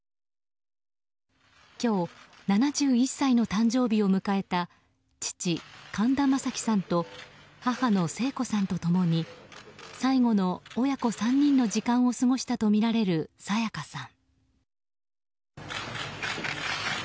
今日、７１歳の誕生日を迎えた父・神田正輝さんと母の聖子さんと共に最後の親子３人の時間を過ごしたとみられる沙也加さん。